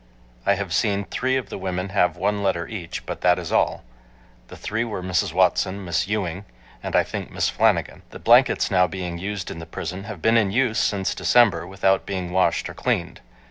I have Seen three of the women have one letter each, but that is all. The three were Mrs. Watson, Miss Ewing, and I think Miss Flanagan. The blankets now being used in the prison have been in use since December without being washed or cleaned.